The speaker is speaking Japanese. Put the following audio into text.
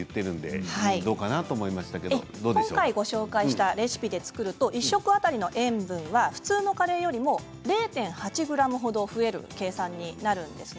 今回、ご紹介したレシピで作ると１食当たりの塩分は普通のカレーよりも０．８ｇ程、増える計算になるんです。